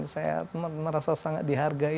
saya merasa sangat dihargai